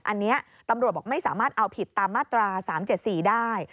อันนี้ตำรวจบอกไม่สามารถเอาผิดตามมาตรา๓๗๔ได้